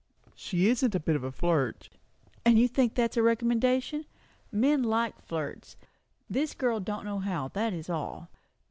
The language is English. "She isn't a bit of a flirt." "You think that is a recommendation? Men like flirts. This girl don't know how, that is all."